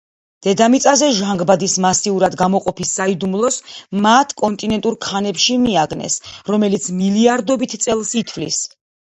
დედამიწაზე ჟანგბადის მასიურად გამოყოფის საიდუმლოს მათ კონტინენტურ ქანებში მიაგნეს, რომელიც მილიარდობით წელს ითვლის.